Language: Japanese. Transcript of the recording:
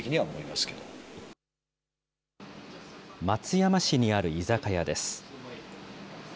松山市にある居酒屋です。